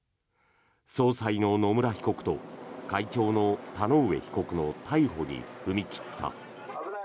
総裁の野村被告と会長の田上被告の逮捕に踏み切った。